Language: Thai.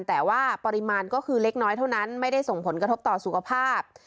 แต่ว่าปริมาณก็คือเล็กน้อยเท่านั้นไม่ได้ส่งผลกระทบต่อสุขภาพ